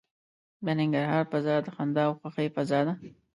د ننګرهار فضا د خندا او خوښۍ فضا ده.